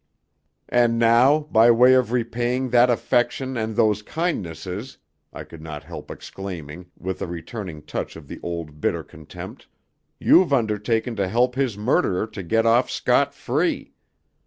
"And now, by way of repaying that affection and those kindnesses," I could not help exclaiming, with a returning touch of the old bitter contempt, "you've undertaken to help his murderer to get off scot free.